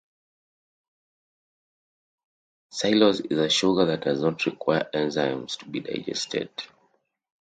Xylose is a sugar that does not require enzymes to be digested.